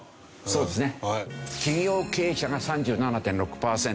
そうですね